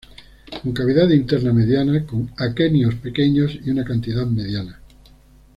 Con cavidad interna mediana, con aquenios pequeños y una cantidad mediana.